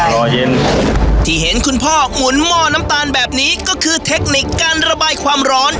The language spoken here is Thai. รอยเย็นที่เห็นคุณพ่อหมุนหม้อน้ำตาลแบบนี้ก็คือเทคนิคการระบายความร้อน